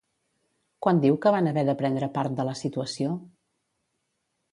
Quan diu que van haver de prendre part de la situació?